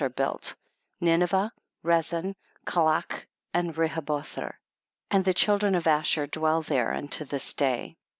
27 ur built, Ninevali, Resen, Calach and Rchoholher; and tlie children of Asliur dwell there unto this day.